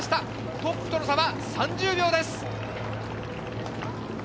トップとの差は３０秒です。